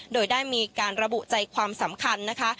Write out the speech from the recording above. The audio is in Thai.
โดยได้มีการระบุใจความสำคัญนะคะ